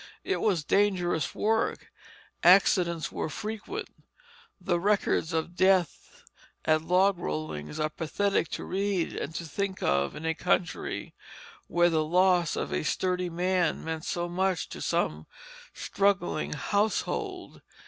It was dangerous work; accidents were frequent; the records of death at log rollings are pathetic to read and to think of, in a country where the loss of a sturdy man meant so much to some struggling household.